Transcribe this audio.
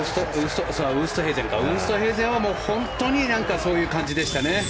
ウーストヘイゼンは本当にそういう感じでしたね。